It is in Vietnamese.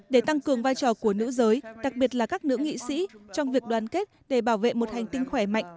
để tăng cường vai trò của nữ giới đặc biệt là các nữ nghị sĩ trong việc đoàn kết để bảo vệ một hành tinh khỏe mạnh